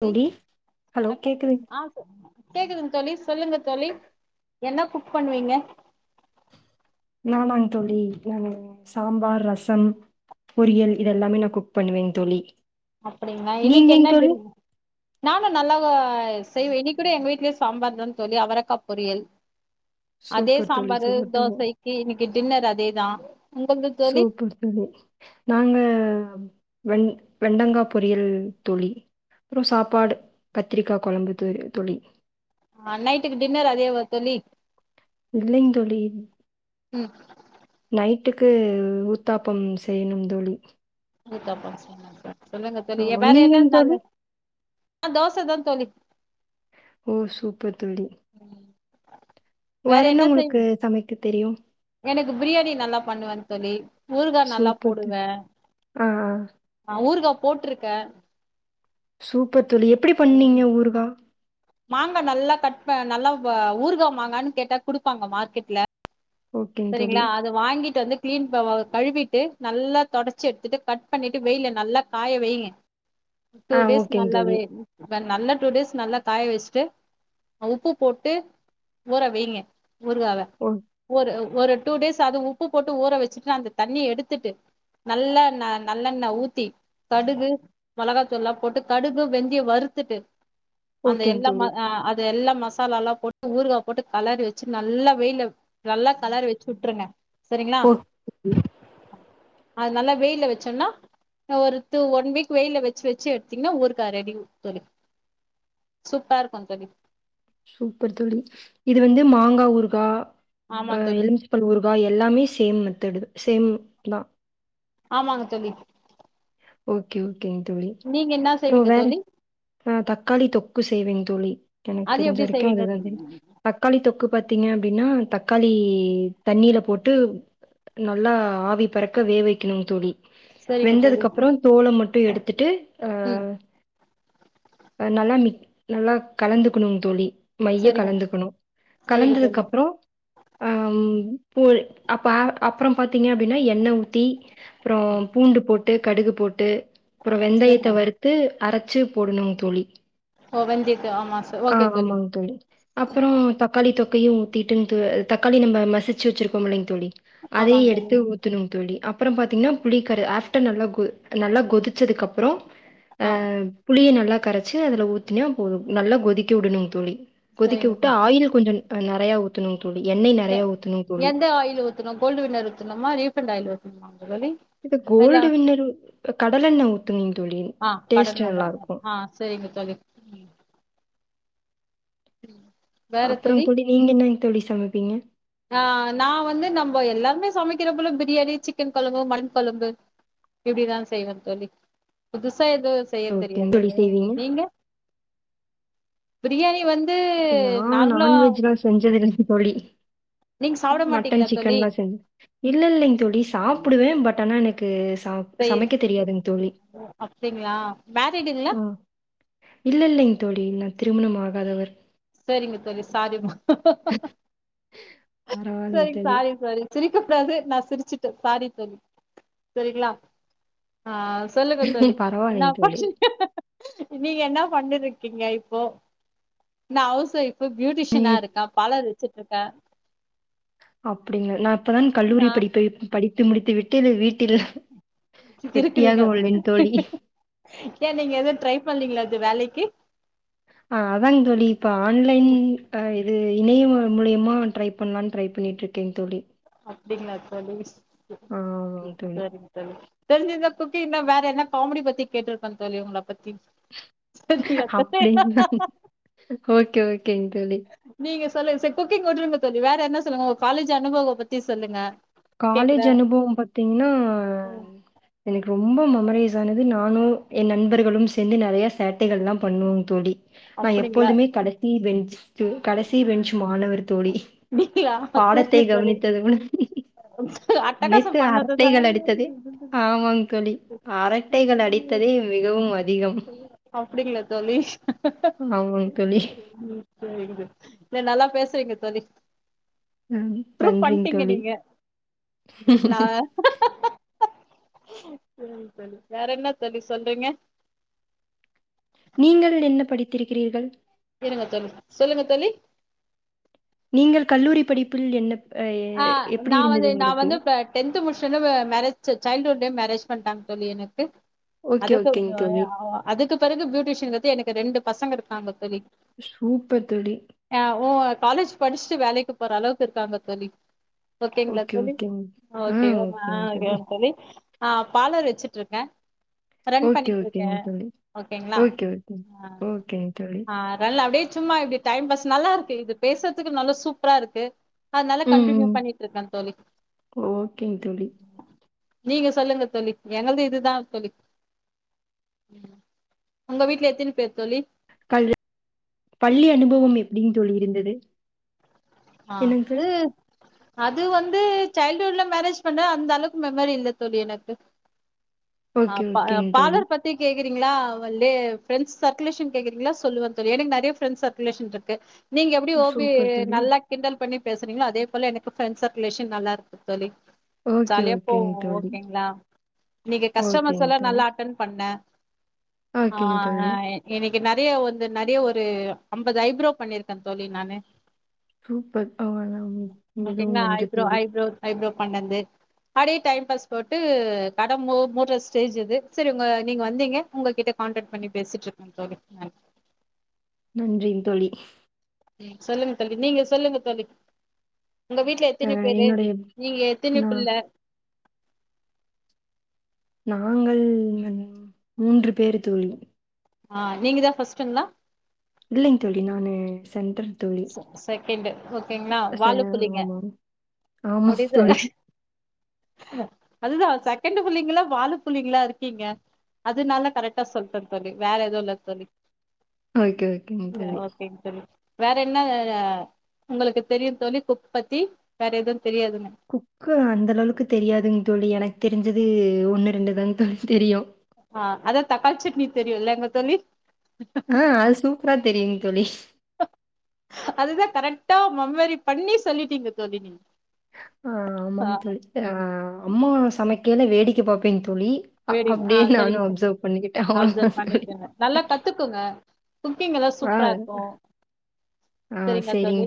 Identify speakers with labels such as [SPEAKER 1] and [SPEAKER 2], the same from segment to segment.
[SPEAKER 1] டிங்
[SPEAKER 2] தோழி ஹலோ
[SPEAKER 1] வணக்கம் சார்
[SPEAKER 2] கேக்குது
[SPEAKER 1] ஆ சார் கேக்குதுங் தோழி சொல்லுங்க தோழி என்ன குக் பண்ணுவீங்க
[SPEAKER 2] நானாங் தோழி நாங்க சாம்பார் ரசம் பொரியல் இதல்லாமே நா குக் பண்ணுவேன் தோழி
[SPEAKER 1] அப்படிங்ளா இன்னைக்கு
[SPEAKER 2] நீங்கங்
[SPEAKER 1] என்ன
[SPEAKER 2] தோழி
[SPEAKER 1] [unintelligible] நானூ நல்லாவ செய்வே இன்னிக்கூட எங்க வீட்லயூ சாம்பார் தா தோழி அவரக்கா பொரியல் அதே
[SPEAKER 2] சூப்பர் தோழி
[SPEAKER 1] சாம்பாரு
[SPEAKER 2] சூப்பர் தோழி
[SPEAKER 1] தோசைக்கு இன்னைக்கு டின்னர் அதேதா உங்கள்து தோழி
[SPEAKER 2] சூப்பர் தோழி நாங்க வெண் வெண்டங்கா பொரியல் தோழி அப்பறம் சாப்பாடு கத்திரிக்காய் குழம்பு து தோழி
[SPEAKER 1] ஆஹ் நைட்டுக்கு டின்னர் அதே வா தோழி
[SPEAKER 2] இல்லைங்க தோழி
[SPEAKER 1] உம்
[SPEAKER 2] வீட்டுக்கு உத்தாப்பம் செய்யணும் தோழி
[SPEAKER 1] ஊத்தாப்பம் செய்னுங்களா சொல்லுங்க தோழி
[SPEAKER 2] ஆமா
[SPEAKER 1] வேற என்னா
[SPEAKER 2] நீங்கங் தோழி
[SPEAKER 1] நாலு தோச தா தோழி
[SPEAKER 2] ஓ சூப்பர் தோழி வேற என்ன உங்களுக்கு சமைக்க தெரியும்
[SPEAKER 1] எனக்கு பிரியாணி நல்லா பண்ணுவேன்னு தோழி ஊர்காய் நல்லா
[SPEAKER 2] சூப்பர் தோழி
[SPEAKER 1] போடுவேன்
[SPEAKER 2] ஆ ஆ
[SPEAKER 1] ஹ் ஊர்கா போட்டுருக்க
[SPEAKER 2] சூப்பர் தோழி எப்படி பண்ணீங்க ஊருர்கா
[SPEAKER 1] மாங்கா நல்லா கட் பண் நல்லா ஊருகா மாங்கான்னு கேட்டா குடுப்பாங்க மார்க்கெட்ல
[SPEAKER 2] ஓகேங்க தோழி
[SPEAKER 1] சரிங்களா அத வாங்கிட்டு வந்து கிளின் பவ கழுவிட்டு நல்லா தொடச்சி எடுத்துட்டு கட் பண்ணிட்டு வெய்ல நல்லா காய வையுங்க டூ
[SPEAKER 2] ஆ
[SPEAKER 1] டேஸ்
[SPEAKER 2] ஓகேங்க
[SPEAKER 1] நல்லா
[SPEAKER 2] தோழி
[SPEAKER 1] வெ நல்ல டூ டேஸ் நல்லக் காய வச்சுட்டு உப்பு போட்டு ஊற வைங்க ஊருகாவ
[SPEAKER 2] ஓ
[SPEAKER 1] ஊரு ஒரு டூ டேஸ் அது உப்பு போட்டு ஊற வச்சுட்டு அந்த தண்ணி எடுத்துட்டு நல்லண்ண நல்லண்ண ஊத்தி கடுகு மிளகாத்தூள்ல்லா போட்டு கடுகு வெந்தய வறுத்துட்டு அந்த
[SPEAKER 2] ஓகேங்க
[SPEAKER 1] எல்லாம
[SPEAKER 2] தோழி
[SPEAKER 1] அ அது எல்லா மசாலால போட்டு ஊருகா போட்டு கலரி வச்சு நல்லா வெயில நல்லா கலரி வச்சு உட்டுருங்க
[SPEAKER 2] ஓ [unintelligible]
[SPEAKER 1] அது நல்லா வெயில வச்சோனா ஒரு டூ ஒன் வீக் வெயில வச்சு வச்சு எடுத்தீங்னா ஊறுகா ரெடி தோழி சூப்பரா இருக்கு தோழி
[SPEAKER 2] சூப்பர் தோழி இது வந்து மாங்கா ஊறு கா
[SPEAKER 1] ஆமா
[SPEAKER 2] ஆஹ்
[SPEAKER 1] தோழி
[SPEAKER 2] எலுமிச்சபழ ஊறு வா எல்லாமே சேம் மெத்தடு சேம் தா
[SPEAKER 1] ஆமாங்க தோழி
[SPEAKER 2] ஓகே ஓகேங்க தோழி
[SPEAKER 1] நீங்க என்ன
[SPEAKER 2] அப்றோ
[SPEAKER 1] செய்வீங்க
[SPEAKER 2] வேற
[SPEAKER 1] தோழி
[SPEAKER 2] ஆஹ் தக்காளி தொக் கு சேய்வே தோழி எனக்கு
[SPEAKER 1] அது
[SPEAKER 2] தெரிஞ்ச
[SPEAKER 1] எப்டி
[SPEAKER 2] வரைக்கு
[SPEAKER 1] செய்வீங்க
[SPEAKER 2] அதுதா தெரியு தக்காளி தொக்கு பாத்தீங்க அப்டின்னா தக்காளி தண்ணியில போட்டு நல்லா ஆவி பறக்க வேக வக்கணும் தோழி
[SPEAKER 1] சரிங்க தோழி
[SPEAKER 2] வெந்ததுக்கு அப்றோ தோல மட்டும் எடுத்துட்டு
[SPEAKER 1] ம்
[SPEAKER 2] அஹ் நல்லா மிக் நல்லா கலந்துக்கணும் தோழி மைய
[SPEAKER 1] சரிங்க
[SPEAKER 2] கலந்துக்கணும்
[SPEAKER 1] சரிங்க
[SPEAKER 2] கலந்ததுக்கு
[SPEAKER 1] தோழி
[SPEAKER 2] அப்புறோம் ம் போல் அப்ப அப்புறம் பாத்தீங்க அப்டின்னா எண்ணெ ஊத்தி அப்புறோம் பூண்டு போட்டு கடுகு போட்டு அப்புறோம் வெந்தயத்த
[SPEAKER 1] சரிங்க
[SPEAKER 2] வறுத்து அரச்சு போடணும் தோழி
[SPEAKER 1] ஓ வெந்தயத்த ஆமா ச ஓகே
[SPEAKER 2] ஆஹ் ஆமாங்க தோழி அப்புறோம் தக்காளி தொக்க யும் ஊத்திட்டு தக்காளி நம்ம மசிச்சு வச்சிருக்கோம்இல்லைங்க தோழி அதை
[SPEAKER 1] ஆமாங்க தோழி
[SPEAKER 2] எடுத்து ஊத்துணும் தோழி அப் அப்புறம் பாத்தீங்கன்னா புளி கர ஆஃப்டர் நல்லா கோ நல்லா கொதிச்சதுக்கு அப்புறம்
[SPEAKER 1] ஆ
[SPEAKER 2] அஹ் புளியனல்ல நல்லா கரச்சு அதுல ஊத்தினா போதும் நல்லா கொதிக்க விடணுங்க தோழி கொதிக்க
[SPEAKER 1] சரிங்க
[SPEAKER 2] விட்டு
[SPEAKER 1] தோழி
[SPEAKER 2] ஆயில் கொஞ்ச ந நெறையா ஊத்தணு
[SPEAKER 1] எந்த ஆயில் ஊத்தணும் கோல்டு வின்னர் ஊத்தணுமா ரீஃபண்ட் ஆயில் ஊத்த ம் [unintelligible]
[SPEAKER 2] இது கோல்டு வின்னர் கடலெண்ணெய் ஊத்துங்க தோழி
[SPEAKER 1] ஆ கடல்
[SPEAKER 2] டேஸ்ட்
[SPEAKER 1] நல்ல
[SPEAKER 2] நல்லா இருக்கும்
[SPEAKER 1] ஆ சரிங்க தோழி உம் [inaudible]
[SPEAKER 2] அப்புறம் தோழி நீங்க என்ன தோழி சமைப்பீங்க
[SPEAKER 1] ஆஹ் நான் வந்து நம்ப எல்லாருமே சமைக்கிற போல பிரியாணி சிக்கன் கொழம்பு மட்டன் கொழம்பு இப்டிதான் செய்வேன் தோழி புதுச புதுசா எதுவும் செய்ய
[SPEAKER 2] ஓகேங்க
[SPEAKER 1] தெரியாது
[SPEAKER 2] தோழி செய்வீங்க
[SPEAKER 1] நீங்க பிரியாணி வந்
[SPEAKER 2] நான் நான்வெஜ்லாம் செஞ்சது இல் தோழி
[SPEAKER 1] நீங்க சாப்ட
[SPEAKER 2] மட்டன்
[SPEAKER 1] மாட்டீங்களா தோழி
[SPEAKER 2] சிக்கன்லாம் செஞ் இல்லே இல்லைங்க தோழி சாப்பிடுவேன் பட் ஆனா எனக்கு கேஸ்
[SPEAKER 1] செய்
[SPEAKER 2] சமைக்க தெரியாதுங்க தோழி
[SPEAKER 1] அப்டிங்களா மேரிடுங்களா
[SPEAKER 2] ம் இல்லேஇல்லைங்க தோழி திருமணமாகாதவர்
[SPEAKER 1] செரிங்க தோழி சாரிமா [inaudible]
[SPEAKER 2] பரவாலிங்க தோழி
[SPEAKER 1] சிரிக்கக்கூடாது நா சிரிச்சுட்டே சாரி தோழி செரிங்ளா ஆ சொல்லுங்க தோழி நா
[SPEAKER 2] பரவாயில்லைங்க தோழி
[SPEAKER 1] [unintelligible] நீங்க என்னா பண்ணிட்டுருக்கீங்க இப்போ நா ஹவுஸ் வைஃப் ப பியூட்டிஷினா
[SPEAKER 2] இப்
[SPEAKER 1] இருக்கா பலரு சிட்டுருக்க
[SPEAKER 2] அப்பிடிங்ளா நா இப்பதான் கல்லூரி படிப்பை படி தும் முடித்து விட்டு இல்லல்லல்ல வீட்டில்
[SPEAKER 1] இருக்குறீங்க
[SPEAKER 2] வெட்டியாக உள்ளேன் தோழி
[SPEAKER 1] ஏ நீங்க எதும் ட்ரை பண்லீங்ளா து வேலைக்கி
[SPEAKER 2] ஆ அதாங் தோழி இப்ப ஆன்லைன் ஆ இப் இது இணைய ம முடையமா ட்ரை பண்லான்னு ட்ரை பண்ணிட்டுருக்கேங் தோழி
[SPEAKER 1] அப்டிங்ளா தோழி
[SPEAKER 2] ஆ ஆமாங் தோழி
[SPEAKER 1] செரிங்க தோழி தெரிஞ்சுந்தா குக்கிங்ல வேற என்ன காமெடி பத்தி கேட்டிருப்பன் தோழி உங்கள பத்தி சரிங்களா தோழி
[SPEAKER 2] அப்டிங்ளா ஓகே ஓகே கேங் தோழி
[SPEAKER 1] சொல்லுங் செரி குக்கிங் உட்டுருங்க தோழி வேற ஏன்னா சொல்லுங்க உங்க காலேஜ் அனுபகோ பத்தி சொல்லுங்க
[SPEAKER 2] காலேஜ்
[SPEAKER 1] கேக்குறே
[SPEAKER 2] அனுபவம் பாத்தீங்னா என ரொம்போ மொமரைஸ் ஆனது நானு என் நண்பர்களும் சேந்து நெறையா சேட்டைகள்லா பண்ணுவோ தோழி நா
[SPEAKER 1] அப்டிங்களா
[SPEAKER 2] எப்போல்துமே கடைசி பெஞ்சு சு கடைசி பெஞ்சு மாணவர் தோழி
[SPEAKER 1] நீங்களா
[SPEAKER 2] பாடத்தை
[SPEAKER 1] சரிங்க தோழி
[SPEAKER 2] கவனித்தது உட அனைத்து
[SPEAKER 1] அட்டகாசம் பண்ணதுதா
[SPEAKER 2] அரட்டைகள் அடித்தது அரட்டைகள் அடித்ததே மிகவும் அதிகம்.
[SPEAKER 1] அப்டிங்ளா தோழி
[SPEAKER 2] ஆமாங் தோழி.
[SPEAKER 1] செரி நல்லா பேசு செரிங்க தோழி
[SPEAKER 2] உம்
[SPEAKER 1] ப்ரூவ்
[SPEAKER 2] நன்றிங்
[SPEAKER 1] பண்ட்டீங்க
[SPEAKER 2] தோழி
[SPEAKER 1] நீங்க நா வேற என்ன தோழி சொல்றீங்க
[SPEAKER 2] நீங்கள் டென்ன படித்திருக்கிறீர்கள்
[SPEAKER 1] இருங்க தோழி சொல்லுங்க தோழி
[SPEAKER 2] நீங்கள் கல்லூரி படிப்பில் என்ன அ
[SPEAKER 1] ஆஹ்
[SPEAKER 2] எப்படி
[SPEAKER 1] நா
[SPEAKER 2] இருந்தது
[SPEAKER 1] வந்து நா
[SPEAKER 2] உங்களுக்கு?
[SPEAKER 1] வந்து ப்ப டென்த் முடி ச்சது மேரேஜ் சைல்டுஹுட் லயே மேரேஜ் பண்ட்டாங்க தோழி எனக்கு
[SPEAKER 2] ஓகே,
[SPEAKER 1] அதுக்கு
[SPEAKER 2] ஓகேங் தோழி.
[SPEAKER 1] அதுக்கு பிறகு பியூட்டிஷன்கிறது எனக்கு ரெண்டு பசங்க இருந்தாங்க தோழி
[SPEAKER 2] சூப்பர் தோழி.
[SPEAKER 1] ஆஹ் ஓ காலேஜ் படிச்சுட்டு வேலைக்கு போற அளவுக்கு இருக்காங்க தோழி ஓகேங்களா
[SPEAKER 2] ஓகே,
[SPEAKER 1] தோழி
[SPEAKER 2] ஓகேங். ஆ
[SPEAKER 1] ஓகே மா
[SPEAKER 2] ஓகேங்
[SPEAKER 1] தோழி ஆஹ் பார்லர் வச்சிட்டு இருக்கே ரன்
[SPEAKER 2] ஓகே,
[SPEAKER 1] பண்ணிட்டு இருக்கே
[SPEAKER 2] ஓகேங் தோழி.
[SPEAKER 1] ஓகேங்களா
[SPEAKER 2] ஓகே, ஓகேங். ஓகேங் தோழி.
[SPEAKER 1] ஹ ரன் அப்படியே சும்மா இப்படி டைம் பாஸ் நல்லா இருக்கு இது பேசுறதுக்கு நல்லா சூப்பரா இருக்கு அதுனால
[SPEAKER 2] ம்,
[SPEAKER 1] கண்டினியூ
[SPEAKER 2] ம்.
[SPEAKER 1] பண்ணிட்டு இருக்கே தோழி
[SPEAKER 2] ஓகேங் தோழி.
[SPEAKER 1] நீங்க சொல்லுங்க தோழி எனது இதுதா தோழி உங்க வீட்ல எத்தனி பேரு தோழி
[SPEAKER 2] கல் பள்ளி அனுபவம் எப்படிங் தோழி இருந்தது
[SPEAKER 1] ஆஹ்
[SPEAKER 2] என்னங்
[SPEAKER 1] அது
[SPEAKER 2] தோழி?
[SPEAKER 1] அது வந்து சைல்டுஹுட்ல மேரேஜ் பண்ண அந்த அளவுக்கு மெமரி இல்ல தோழி எனக்கு
[SPEAKER 2] ஓகே,
[SPEAKER 1] ஆஹ் ஆஹ்
[SPEAKER 2] ஓகேங் தோழி.
[SPEAKER 1] பாலர் பத்திரிக்கை கேக்குறீங்களா வந்து ஃப்ரெண்ட்ஸ் சர்குலேஷன் கேக்குறீங்களா சொல்லுவ தோழி எனக்கு நறைய ஃப்ரெண்ட்ஸ் சர்குலேஷன் இருக்கு நீங்க எப்படி ஓபி
[SPEAKER 2] சூப்பர் தோழி.
[SPEAKER 1] நல்லா பண்ணி பேசுறீங்களோ அதே போல எனக்கு ஃப்ரெண்ட் சர்குலேஷன் நல்லா இருக்கு தோழி
[SPEAKER 2] ஓகே,
[SPEAKER 1] ஜாலியா
[SPEAKER 2] ஓகேங்க
[SPEAKER 1] போவோ
[SPEAKER 2] தோழி.
[SPEAKER 1] ஓகேங்களா நீங்க கஸ்டமர்ஸ்
[SPEAKER 2] ஓகேங்க
[SPEAKER 1] எல்லா
[SPEAKER 2] தோழி.
[SPEAKER 1] நல்லா அட்டன் பண்ண ஆ
[SPEAKER 2] ஓகேங்க
[SPEAKER 1] ஹ
[SPEAKER 2] தோழி.
[SPEAKER 1] எனிக் இங்க நெறைய வந்து நெறைய ஒரு அம்பது ஐப்ரோ பண்ணிருக்கே தோழி நானு
[SPEAKER 2] சூப்பர் அவனம் மிகவும்
[SPEAKER 1] ஓகேங்களா
[SPEAKER 2] நன்றி
[SPEAKER 1] ஐப்ரோ
[SPEAKER 2] தோழி
[SPEAKER 1] ஐப்ரோ ஐப்ரோ பண்ணது அப்டியே டைம் பாஸ் போட்டு கட மூ மூட்ற ஸ்டேஜ் இது சரி உங்க நீங்க வந்தீங்க உங்க கிட்ட கான்டக்ட் பண்ணி பேசிட்டு இருக்க தோழி நன்றி
[SPEAKER 2] நன்றிங் தோழி
[SPEAKER 1] ம் சொல்லுங்க தோழி நீங்க சொல்லுங்க தோழி உங்க வீட்டு்ல
[SPEAKER 2] அ
[SPEAKER 1] எத்தினி பேரு
[SPEAKER 2] என்னுடைய
[SPEAKER 1] நீங்க எத்தினி
[SPEAKER 2] நான்
[SPEAKER 1] புள்ள
[SPEAKER 2] நாங்கள் மூன்று பேரு தோழி
[SPEAKER 1] ஆஹ் நீங்க தா ஃபர்ஸ்ட்ங்ளா
[SPEAKER 2] இல்லைங் தோழி நானு சென்டர் தோழி.
[SPEAKER 1] ச செகண்டு் ஓகேங்ளா வாலு புள்ளிங்க
[SPEAKER 2] ஆமாந் தோழி
[SPEAKER 1] அதுதா செகண்டு் புள்ளிங்கல்லா வாலு புள்ளிங்கலா இருக்கீங்க அதுனால கரெக்டா சொல்ட்டேந் தோழி வேற எதுவு இல்ல தோழி
[SPEAKER 2] ஓகே ஓகேங் தோழி
[SPEAKER 1] ஓகேங் தோழி வேற என்ன அஹ் உங்களுக்கு தெரியு தோழி குக் பத்தி வேற எதுன்
[SPEAKER 2] குக்கு அந்த அளவுளுக்கு தெரியாதுங் தோழி எனக் தெரிஞ்சது ஒன்னு ரெண்டு தாங் தோழி தெரியு
[SPEAKER 1] அஹ் அதா தக்காள் சட்னி தெரியுல்லங்க தோழி
[SPEAKER 2] அஹ் அது சூப்ரா தெரியுங் தோழி
[SPEAKER 1] அதுதா கரெக்டா மம்மரி பண்ணி சொல்லிட்டீங்க தோழி நீங்க
[SPEAKER 2] அஹ்
[SPEAKER 1] ஆ
[SPEAKER 2] ஆமாங் தோழி அஹ் அம்மா சமைக் கேல வேடிக்க பாப்பேங்த்
[SPEAKER 1] வெரிங் அஹ் செரிங்க
[SPEAKER 2] பண்ணிக்கிட்டேன் அவ்வளோதான்
[SPEAKER 1] அப்சர்வ்
[SPEAKER 2] தோழி
[SPEAKER 1] பண்ணிகங்க நல்லா கத்துக்குங்க குக்கிங் எல்லா
[SPEAKER 2] ஆ
[SPEAKER 1] சூப்ராருக்கு
[SPEAKER 2] ஆ,
[SPEAKER 1] செரிங்க
[SPEAKER 2] சரிங்க
[SPEAKER 1] தோழி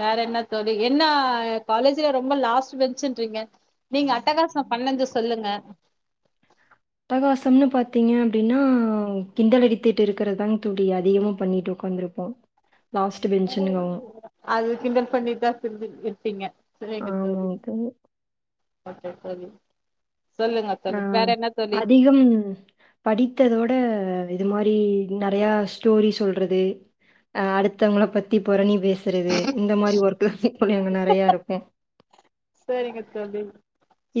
[SPEAKER 1] வேற என்ன தோழி எ ன்னா காலேஜ்ல ரொம்ப லாஸ்ட் பெஞ்சின்றீங்க நீங்க அட்டகாச பண்ணத சொல்லுங்க
[SPEAKER 2] அட்டகாசம்ன்னு பாத்தீங்க அப்டின்னா கிண்டல் அடித்திட்டு இருக்கிறதாங்க தோழி அதிகமா பண்ணிட்டு ஒக்காந்திருப்போ
[SPEAKER 1] அது கிண்டல் பண்ணிட்தா [unintelligible] டீங்க செரிங்க தோழி ஓகே தோழி சொல்லுங்க தோழி வேற
[SPEAKER 2] அஹ்
[SPEAKER 1] என்ன தோழி
[SPEAKER 2] அதிகம் படித்ததோட இது மாரி நெறையா ஸ்டோரி சொல்றது அஹ் அடுத்தவங்கள பத்தி பொறனிப் பேசுறது இந்த மாரி ஒர்க்கு தா தோழி அங்க நெறையருக்கு
[SPEAKER 1] சரிங்க தோழி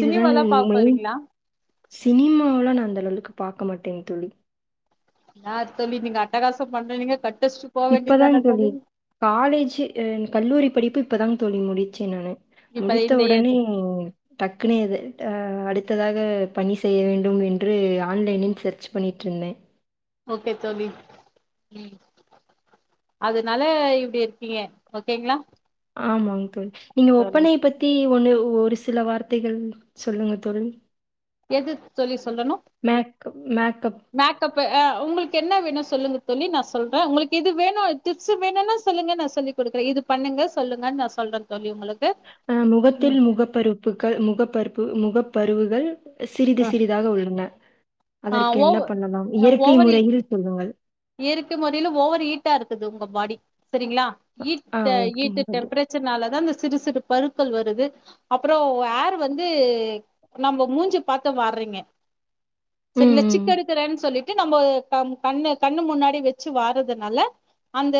[SPEAKER 2] இதுதாங்க மெய்ன்
[SPEAKER 1] பாப்பீங்களா
[SPEAKER 2] சினிமாவல்லா நா அந்த அளவுளுக்கு பாக்க மாட்டேங் தோழி
[SPEAKER 1] என்னா தோழி நீங்க அட்டகாசம் பண்றேனீங்க கட்
[SPEAKER 2] இப்பதாங் தோழி காலேஜ்ஜு என் கல்லூரி படிப்பு இப்பதாங் தோழி முடிச்சே நானு
[SPEAKER 1] இப்ப
[SPEAKER 2] முடித்த
[SPEAKER 1] இந்த
[SPEAKER 2] ஒடனே
[SPEAKER 1] ஏது
[SPEAKER 2] டக்குனே இது அடுத்ததாக பணி செய்ய வேண்டும் என்று ஆன்லைனில் சர்ச் பண்ணிட்டுருந்தே
[SPEAKER 1] ஓகே தோழி ம் அதனால இப்படி இருக்கீங்க ஓகேங்களா ம்
[SPEAKER 2] ஆமாங் தோழி நீங்க
[SPEAKER 1] தோழி
[SPEAKER 2] ஒப்பனைைய பத்தி ஒண்ணு ஒரு சில வார்த்தைகள் சொல்லுங்க தோழி
[SPEAKER 1] எது சொல்லிஸ் சொல்லணு
[SPEAKER 2] மேக் மேக்கப்
[SPEAKER 1] மேக்கப்பு அஹ் உங்களுக் என்ன வேணு சொல்லுங்க தோழி நா சொல்ற உங்களுக்கு எது வேணு டிப்ஸ்ஸு வேணுணா சொல்லுங்க நா சொல்லிகுடுக்குற இது பண்ணுங்க சொல்லுங்கன் நா சொல்ற தோழி உங்களுக்
[SPEAKER 2] அஹ் முகத்தில் முகப்பருப்புக்கள் முகப்பருப்பு முகப் பருவுகள் சிறிது
[SPEAKER 1] ஆ
[SPEAKER 2] சிறிதாக உள்ளன
[SPEAKER 1] ஆ
[SPEAKER 2] அதற்கு
[SPEAKER 1] ஓவ
[SPEAKER 2] என்ன பண்ணலாம் இயற்கை முறையில் சொல்லுங்கள்
[SPEAKER 1] இயற்க்க முறையில ஓவர் ஹீட்டாருக்குது உங்க பாடி செரிங்களா
[SPEAKER 2] ஆ
[SPEAKER 1] ஹட் ஹீட்
[SPEAKER 2] ஓகேங்க தோழி.
[SPEAKER 1] டெம்பரேச்சர்னால தான் சிறு சிறு பருக்கள் வருது அப்புறோ ஏர் வந்து நம்ம மூஞ்சு பாத்த வார்றீங்க
[SPEAKER 2] ம்.
[SPEAKER 1] செரிங்களா
[SPEAKER 2] ம்.
[SPEAKER 1] சிக்கெடுக்குரேன்னு சொல்லி நம்ம கண் கண்ணு கண்ணு முன்னாடி வச்சு வாரறதுனால அந்த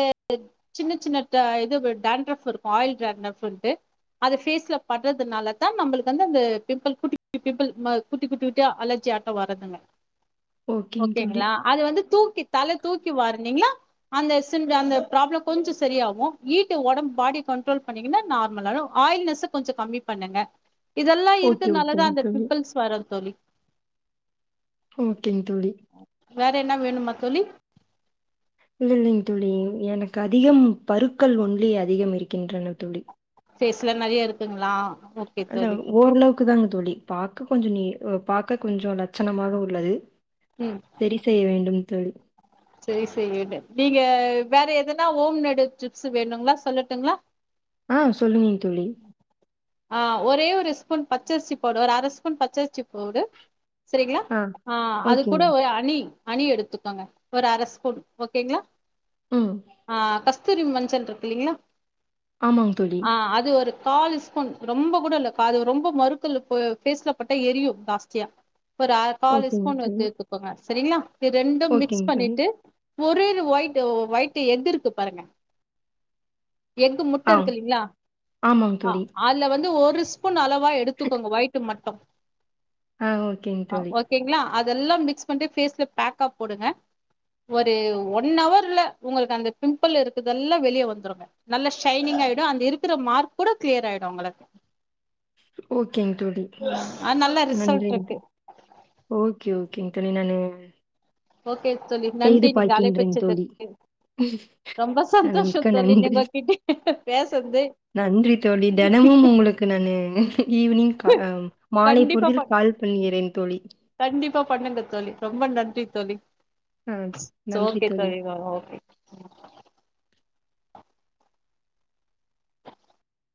[SPEAKER 1] சின்ன சின்ன இது டண்ட்ரப் இருக்கும் ஆயில் ட்ரப்ன்ட்டு அதை பேஸ்ல படுறதுனால தான் நம்மளுக்கு வந்து அந்த பிம்பிள் குட்டிட்டி பிம்பிள் குட்டி குட்டி குட்டி அலர்ஜி ஆட்ட வரதுங்க
[SPEAKER 2] ஓகேங்க தோழி.
[SPEAKER 1] ஓகேங்களா அது வந்து தூக்கி தூக்கி வார்னீங்கன்னா அந்த அந்த ப்ராப்ளம் கொஞ்சோ செரியாகும் ஈட்டு உடம்பு பாடி கண்ட்ரோல் பண்ணீங்கன்னா நார்மல் ஆயில்னஸ் கொஞ்சோ கம்மி பண்ணுங்க இதெல்லா இருக்கு
[SPEAKER 2] ஓகே, ஓகேங்க
[SPEAKER 1] நல்லதான் அந்த பிம்பிள்ஸ் வர்து தோழி
[SPEAKER 2] ஓகேங் தோழி
[SPEAKER 1] வேற என்ன வேணுமா தோழி
[SPEAKER 2] இல் இல்லைங்க தோழி எனக்கு அதிகம் பருக்கள் ஒன்லி அதிகம் இருக்கின்றன தோழி
[SPEAKER 1] ஃபேஸில நெறைய இருக்குங்களா ஓகே
[SPEAKER 2] அண்ட
[SPEAKER 1] தோழி
[SPEAKER 2] ஓரளவுக் க்கு தாங்க தோழி பாக்க கொஞ்சோ நீட் பாக்க கொஞ்சோ லட்சணமாக உள்ளது செரி செய்ய வேண்டும் தோழி
[SPEAKER 1] செரி செரிடு நீங்க வேற எதனா ஹோம் மேட் டிப்ஸ் வேணுங்களா சொல்லட்டுங்களா
[SPEAKER 2] ஆஹ் சொல்லுங்க தோழி
[SPEAKER 1] ஆஹ் ஒரே ஒரு ஸ்பூன் பச்சரிசி போடவா ஒரு அரை ஸ்பூன் பச்சரிசி போடு செரிங்களா
[SPEAKER 2] ஆ
[SPEAKER 1] ஆஹ் அது கூட
[SPEAKER 2] ஓகேங்க.
[SPEAKER 1] ஒரு அணி அணி எடுத்துக்கோங்க ஒரு அரை ஸ்பூன் ஓகேங்களா
[SPEAKER 2] ம்.
[SPEAKER 1] ஆஹ் கஸ் கஸ்தூரி மஞ்சள் இருக்கு இல்லீங்களா
[SPEAKER 2] ஆமாங்க தோழி
[SPEAKER 1] ஒரு கால் ஸ்பூன் ரொம்ப கூட இல்ல அது ரொம்ப மறுக்கள் பேஸ்ல பட்ட எரியும் ஜாஸ்தியா ஒரு அ காலு
[SPEAKER 2] ஓகேங்க
[SPEAKER 1] ஸ்பூன் வத்து
[SPEAKER 2] தோழி.
[SPEAKER 1] எடுத்துக்கோங்க செரிங்களா இது ரெண்டும் மிக்ஸ்
[SPEAKER 2] ஓகேங்க தோழி.
[SPEAKER 1] பண்ணிட்டு ஒரே ஒரு ஒயி்ட் ஒயிட்டு் எஃகு இருக்கு பாருங்க எஃகு முட்ட
[SPEAKER 2] ஆ
[SPEAKER 1] இருக்குங்கலைங்களா
[SPEAKER 2] ஆமாங்க தோழி
[SPEAKER 1] வந்து ஒரு ஸ்பூன் அளவு வா எடுத்துக்கோங்க ஒயிட் மட்டும்
[SPEAKER 2] ஆ ஓகேங் தோழி
[SPEAKER 1] ஓகேங்களா அதெல்லா மிக்ஸ் பண்ணிட்டு ஃபேஸ்ல பேக்கா போடுங்க ஒரு ஒன் அவர்ல உங்களுக்கு அந்த பிம்பிள் இருக்குறதுல்லா வெளியே வந்துருங்க நல்லா ஷைனிங்க்காயிடூ அந்த இருக் க்ற மார்க் கூட க்ளியர் ஆயிடூ உங்களுக்கு
[SPEAKER 2] ஓகேங் தோழி
[SPEAKER 1] ஆ நல்ல ரிசல்ட்
[SPEAKER 2] நன்றிங்
[SPEAKER 1] இருக்கு
[SPEAKER 2] தோழி ஓகே ஓ கேங் தோழி நானு
[SPEAKER 1] ஓக் கே தோழி நன்றி
[SPEAKER 2] செய்து
[SPEAKER 1] நீங்க
[SPEAKER 2] பார்க்கின்றேங்க தோழி.
[SPEAKER 1] அழைப்பச்சதுக்கு ரொம்ப
[SPEAKER 2] அ
[SPEAKER 1] சந்தோஷோ
[SPEAKER 2] மிக்க
[SPEAKER 1] தோழி
[SPEAKER 2] நன்றி.
[SPEAKER 1] நிங்கோகிட்ட பேஸ்
[SPEAKER 2] நன்றி தோழி தெனமும் உங்களுக்கு நானு ஈவ்னிங் கா ஆ மாலை
[SPEAKER 1] கண்டிப்பா
[SPEAKER 2] பொழுதில்
[SPEAKER 1] பண்
[SPEAKER 2] கால் பண்ணுகிறேன் தோழி
[SPEAKER 1] கண்டிப்பா பண்ணுங்க தோழி ரொம்ப நன்றி தோழி
[SPEAKER 2] அ
[SPEAKER 1] சோ ஓகே தோழி ஓகே